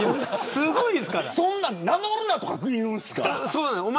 そんな、名乗るなとか言うんですか。